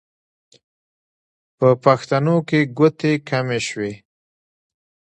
په پښتنو کې ګوتې کمې شوې.